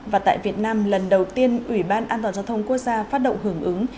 và tại việt nam lần đầu tiên ủy ban an toàn giao thông quốc gia phát động hưởng ứng